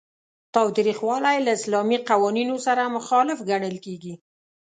تاوتریخوالی له اسلامي قوانینو سره مخالف ګڼل کیږي.